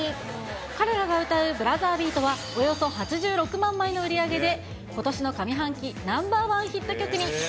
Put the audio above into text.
彼らが歌うブラザービートはおよそ８６万枚の売り上げで、ことしの上半期ナンバー１ヒット曲に。